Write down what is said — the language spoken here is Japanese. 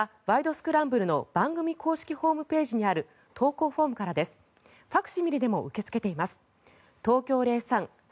スクランブル」の番組公式ホームページにある投稿フォームからです。